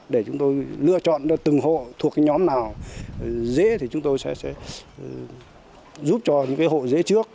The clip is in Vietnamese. để chúng tôi lựa chọn cho từng hộ thuộc nhóm nào dễ thì chúng tôi sẽ giúp cho những cái hộ dễ trước